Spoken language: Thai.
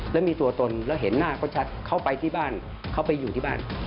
แล้วมีตัวตนแล้วเห็นหน้าเขาชัดเขาไปที่บ้านเขาไปอยู่ที่บ้าน